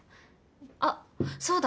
あっそうだ！